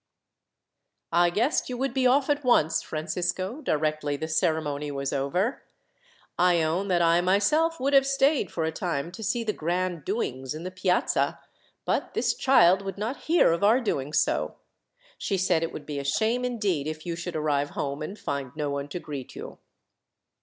"I guessed you would be off at once, Francisco, directly the ceremony was over. I own that I, myself, would have stayed for a time to see the grand doings in the Piazza, but this child would not hear of our doing so. She said it would be a shame, indeed, if you should arrive home and find no one to greet you."